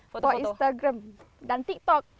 buat instagram dan tiktok